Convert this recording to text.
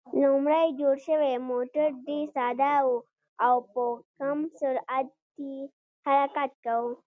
لومړی جوړ شوی موټر ډېر ساده و او په کم سرعت یې حرکت کاوه.